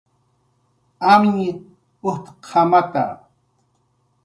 "Amñ ujtq""amata"